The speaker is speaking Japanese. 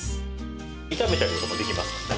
炒めたりとかもできます。